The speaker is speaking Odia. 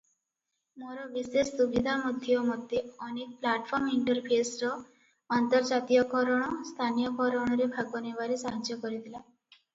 ମୋର ବିଶେଷ ସୁବିଧା ମଧ୍ୟ ମୋତେ ଅନେକ ପ୍ଲାଟଫର୍ମ ଇଣ୍ଟରଫେସର ଅନ୍ତର୍ଜାତୀୟକରଣ, ସ୍ଥାନୀୟକରଣରେ ଭାଗନେବାରେ ସାହାଯ୍ୟ କରିଥିଲା ।